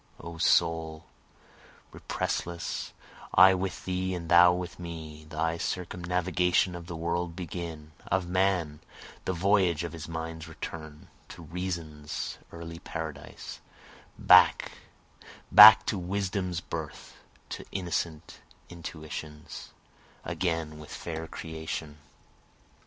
O soul, repressless, I with thee and thou with me, Thy circumnavigation of the world begin, Of man, the voyage of his mind's return, To reason's early paradise, Back, back to wisdom's birth, to innocent intuitions, Again with fair creation.